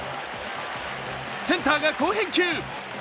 センターが好返球。